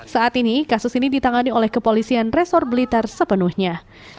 saat ini kasus ini ditangani oleh kepolisian resor blitar sepenuhnya